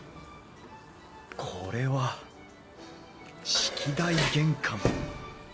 これは式台玄関。